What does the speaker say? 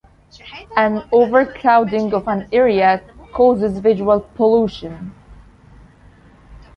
An overcrowding of an area causes visual pollution.